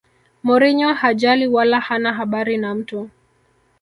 mourinho hajali wala hana habari na mtu